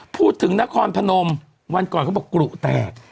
นครพนมวันก่อนเขาบอกกรุแตก